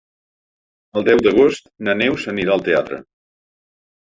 El deu d'agost na Neus anirà al teatre.